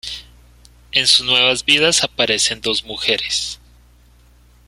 En sus nuevas vidas aparecen dos mujeres.